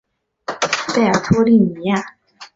贝尔托利尼亚是巴西皮奥伊州的一个市镇。